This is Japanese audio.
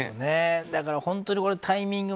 だから本当にタイミングも。